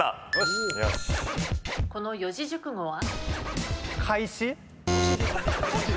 この四字熟語は？